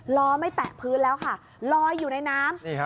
ล้อไม่แตะพื้นแล้วค่ะลอยอยู่ในน้ำ